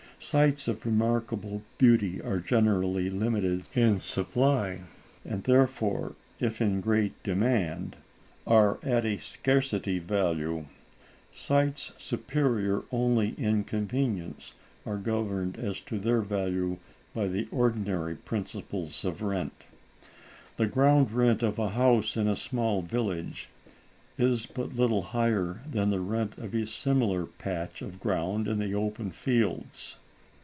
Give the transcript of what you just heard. Sites of remarkable beauty are generally limited in supply, and therefore, if in great demand, are at a scarcity value. Sites superior only in convenience are governed as to their value by the ordinary principles of rent. The ground rent of a house in a small village is but little higher than the rent of a similar patch of ground in the open fields.